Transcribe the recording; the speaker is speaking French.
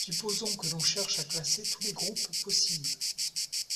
Supposons que l'on cherche à classer tous les groupes possibles.